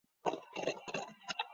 可惜在直路发力一般只得第七。